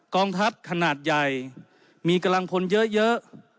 กองทัพขนาดใหญ่มีกำลังพลเยอะ